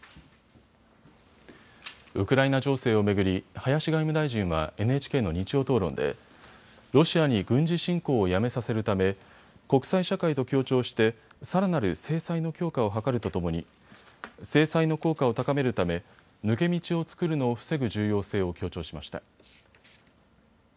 ウクライナ情勢を巡り林外務大臣はＮＨＫの日曜討論でロシアに軍事侵攻をやめさせるため国際社会と協調してさらなる制裁の強化を図るとともに制裁の効果を高めるため抜け道を作るのを防ぐ重要性を強調しました。